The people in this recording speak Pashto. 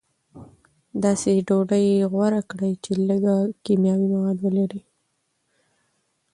داسې ډوډۍ غوره کړئ چې لږ کیمیاوي مواد ولري.